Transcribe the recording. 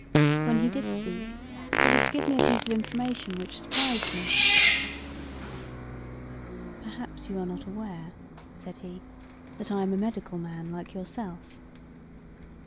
When he did speak it was to give me a piece of information which surprised me. "Perhaps you are not aware," said he, "that I am a medical man like yourself?"